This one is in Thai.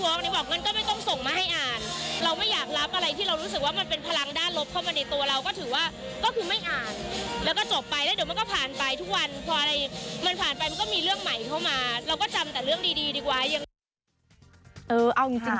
เออเอาจริงจริง